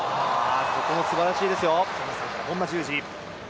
ここもすばらしいですよ。